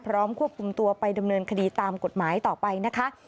ควบคุมตัวไปดำเนินคดีตามกฎหมายต่อไปนะคะ